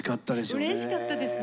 うれしかったですね。